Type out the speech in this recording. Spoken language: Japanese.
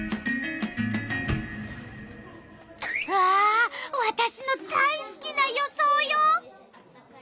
わあわたしの大すきな予想よ！